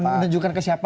menunjukkan ke siapa